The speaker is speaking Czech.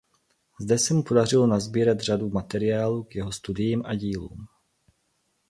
Zde se mu podařilo nasbírat řadu materiálů k jeho studiím a dílům.